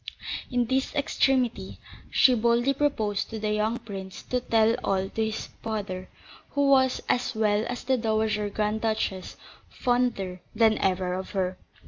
In this extremity she boldly proposed to the young prince to tell all to his father, who was, as well as the Dowager Grand Duchess, fonder than ever of her.